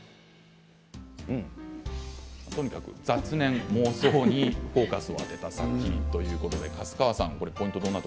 とにかく雑念、妄想にフォーカスを当てた作品ということです。